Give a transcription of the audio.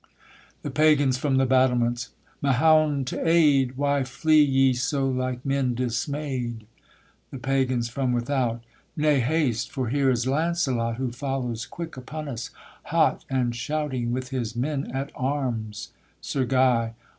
THE PAGANS, from the battlements. Mahound to aid! Why flee ye so like men dismay'd? THE PAGANS, from without. Nay, haste! for here is Launcelot, Who follows quick upon us, hot And shouting with his men at arms. SIR GUY.